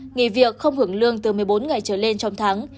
nghỉ việc không hưởng lương từ một mươi bốn ngày trở lên trong tháng